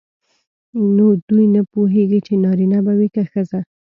نو دوی نه پوهیږي چې نارینه به وي که ښځه.